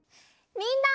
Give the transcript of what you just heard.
みんな！